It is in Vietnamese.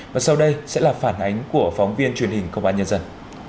và sau đây sẽ là phản ánh của phóng viên truyền hình công an nhân dân